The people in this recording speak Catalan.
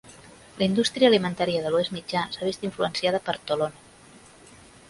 La indústria alimentària de l'Oest Mitjà s'ha vist influenciada per Tolono.